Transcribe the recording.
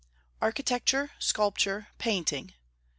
ARCHITECTURE, SCULPTURE, PAINTING.